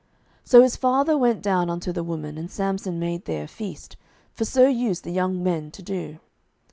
07:014:010 So his father went down unto the woman: and Samson made there a feast; for so used the young men to do.